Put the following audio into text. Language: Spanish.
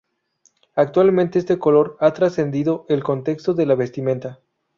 Actualmente este color ha trascendido el contexto de la vestimenta.